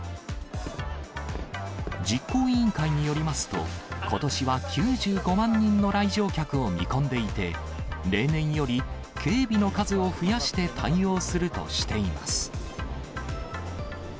実行委員会によりますと、ことしは９５万人の来場客を見込んでいて、例年より警備の数を増やして対応するとしています。